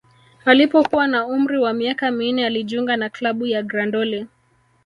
Alipokuwa na umri wa miaka minne alijiunga na klabu ya Grandoli